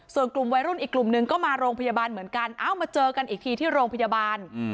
ส่วนกลุ่มวัยรุ่นอีกกลุ่มหนึ่งก็มาโรงพยาบาลเหมือนกันเอ้ามาเจอกันอีกทีที่โรงพยาบาล